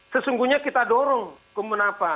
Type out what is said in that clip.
sesungguhnya kita dorong kemenapa